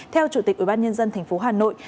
theo chủ tịch ubnd tp hà nội